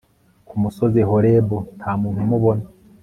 ku musozi Horebu nta muntu umubona